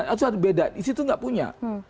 itu ada beda di situ nggak punya